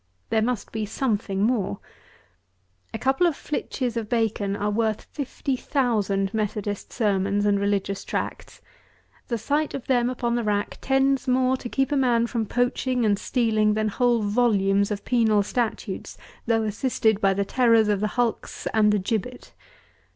There must be something more. A couple of flitches of bacon are worth fifty thousand Methodist sermons and religious tracts. The sight of them upon the rack tends more to keep a man from poaching and stealing than whole volumes of penal statutes, though assisted by the terrors of the hulks and the gibbet.